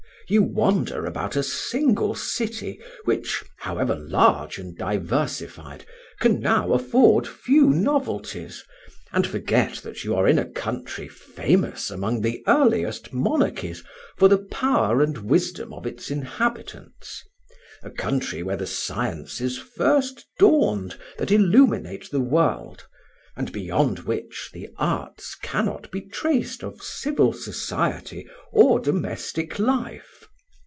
You wander about a single city, which, however large and diversified, can now afford few novelties, and forget that you are in a country famous among the earliest monarchies for the power and wisdom of its inhabitants—a country where the sciences first dawned that illuminate the world, and beyond which the arts cannot be traced of civil society or domestic life.